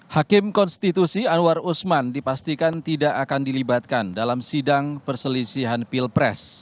hakim konstitusi anwar usman dipastikan tidak akan dilibatkan dalam sidang perselisihan pilpres